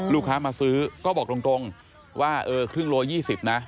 ลูกค้ามาซื้อก็บอกตรงว่าเออครึ่งโล๒๐นะ